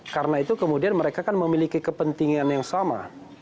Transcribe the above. karena itu kemudian mereka kan memiliki kepentingan yang sama